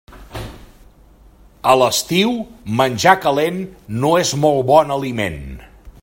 A l'estiu menjar calent no és molt bon aliment.